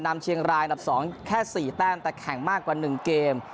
นำเชียงรายนับสองแค่สี่แต้มแต่แข่งมากกว่าหนึ่งเกม